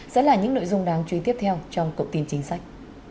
sẽ là những nội dung đáng chú ý tiếp theo trong cộng tin chính sách